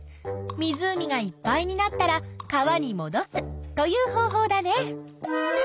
湖がいっぱいになったら川にもどすという方法だね。